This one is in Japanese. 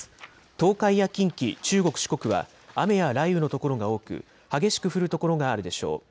東海や近畿、中国、四国は雨や雷雨の所が多く激しく降る所があるでしょう。